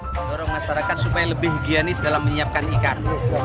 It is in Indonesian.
mendorong masyarakat supaya lebih higienis dalam menyiapkan ikan